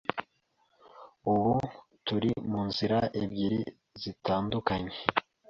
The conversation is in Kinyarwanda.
ubu turi mu nzira ebyiri zitandukanye